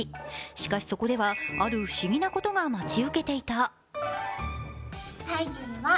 しかし、そこではある不思議なことが待ち受けていた。